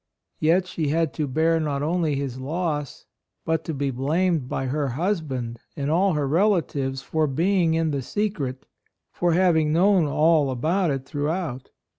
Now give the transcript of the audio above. Yet she had to bear not only his loss, but to be blamed by her husband and all her relatives for being in the secret, — for having known " all about it " throughout.